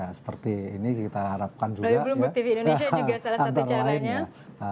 ya seperti ini kita harapkan juga ya ambar lainnya